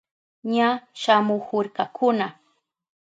Ña shamuhurkakuna.